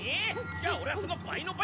じゃあ俺はその倍の倍！